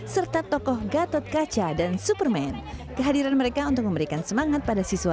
serta tokoh gatot kaca dan superman kehadiran mereka untuk memberikan semangat pada siswa